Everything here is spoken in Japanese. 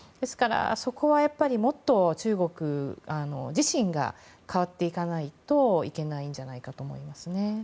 そこはもっと中国自身が変わっていかないといけないんじゃないかと思いますね。